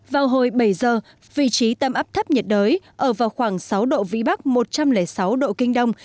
vào hồi bảy giờ vị trí tâm áp thấp nhiệt đới ở vào khoảng sáu độ vĩ bắc một trăm linh sáu độ kinh đông